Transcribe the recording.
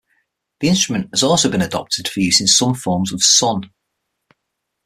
The instrument has also been adopted for use in some forms of "son".